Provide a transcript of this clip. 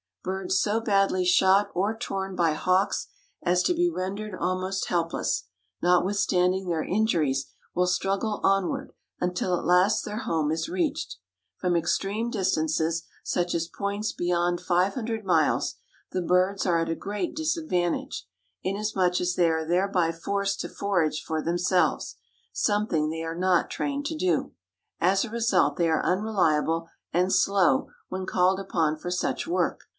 Birds so badly shot or torn by hawks as to be rendered almost helpless, notwithstanding their injuries will struggle onward until at last their home is reached. From extreme distances, such as points beyond 500 miles, the birds are at a great disadvantage, inasmuch as they are thereby forced to forage for themselves, something they are not trained to do. As a result they are unreliable and slow when called upon for such work.